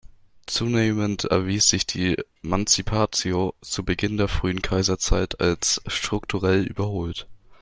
Zunehmend erwies sich die "mancipatio" zu Beginn der frühen Kaiserzeit als strukturell überholt.